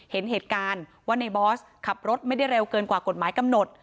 เห็นเหตุการณ์ว่าในบอสขับรถไม่ได้เร็วเกินกว่ากฎหมายกำหนด